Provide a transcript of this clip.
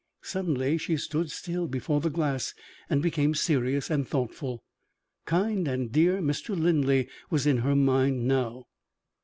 Suddenly she stood still before the glass and became serious and thoughtful. Kind and dear Mr. Linley was in her mind now.